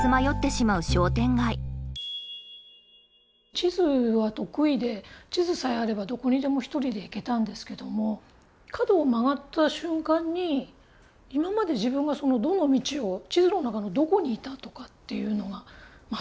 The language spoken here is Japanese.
地図は得意で地図さえあればどこにでも一人で行けたんですけども角を曲がった瞬間に今まで自分がどの道を地図の中のどこにいたとかっていうのが全く分からなくなってしまったり。